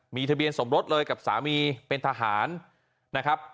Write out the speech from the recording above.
มีทะเบียนสมรสเลยกับสามีเป็นทหารนะครับ